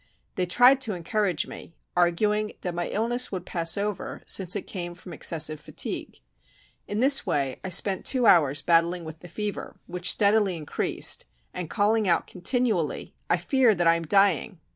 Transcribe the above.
They tried to encourage me, arguing that my illness would pass over, since it came from excessive fatigue. In this way I spent two hours battling with the fever, which steadily increased, and calling out continually, "I feel that I am dying."